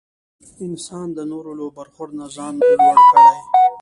انسان د نورو له برخورد نه ځان لوړ کړي.